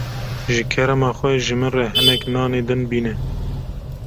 Ji kerema we, ji min re hinek nanê din bîne.